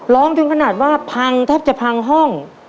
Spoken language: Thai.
ถึงขนาดว่าพังแทบจะพังห้อง